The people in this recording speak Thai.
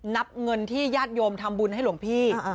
นับเงินที่ญาติโยมทำบุญให้หลวงพี่